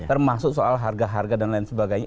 termasuk soal harga harga dan lain sebagainya